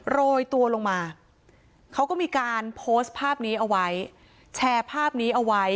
โรยตัวลงมาเขาก็มีการโพสต์ภาพนี้เอาไว้แชร์ภาพนี้เอาไว้